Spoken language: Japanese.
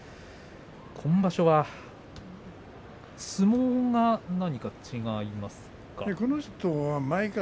今場所は相撲が何か違いますか。